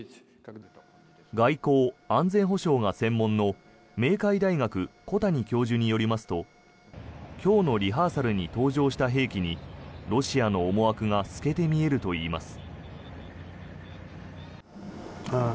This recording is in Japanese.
外交・安全保障が専門の明海大学の小谷教授によりますと今日のリハーサルに登場した兵器にロシアの思惑が透けて見えるといいます。